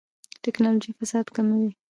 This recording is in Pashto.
ټکنالوژي فساد کموي